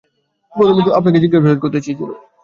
প্রথমে তো আপনাকে জিজ্ঞাসাবাদ করতে হবে।